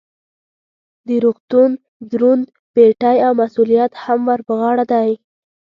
د روغتون دروند پیټی او مسؤلیت هم ور په غاړه دی.